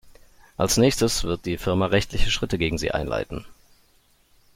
Als Nächstes wird die Firma rechtliche Schritte gegen sie einleiten.